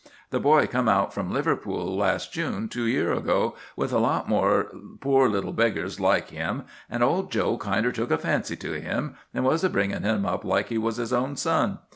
The boy come out from Liverpool las' June two year ago, with a lot more poor little beggars like him; an' old Joe kinder took a fancy to him, an' was a bringin' him up like he was his own son.